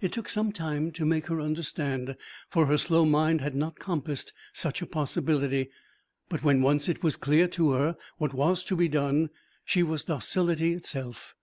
It took some time to make her understand, for her slow mind had not compassed such a possibility; but when once it was clear to her what was to be done, she was docility itself.